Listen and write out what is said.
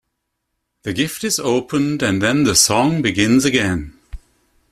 The gift is opened and then the song begins again.